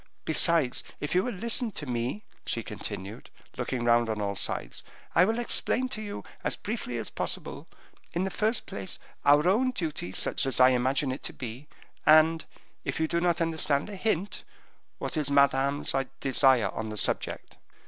Besides, if you will listen to me," she continued, looking round on all sides, "I will explain to you, as briefly as possible, in the first place, our own duty, such as I imagine it to be, and, if you do not understand a hint, what is Madame's desire on the subject."